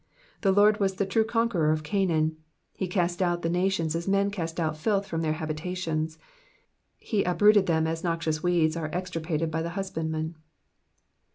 The Lord was the true conqueror of Canaan ; he cast out the nations as men cast out filth from their habitations, he uprooted them as noxious weeds are extirpnted by the husbandman.